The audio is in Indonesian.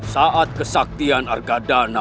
saat kesaktian harga dana